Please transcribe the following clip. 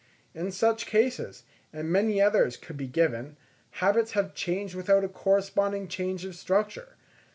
In such cases, and many others could be given, habits have changed without a corresponding change of structure.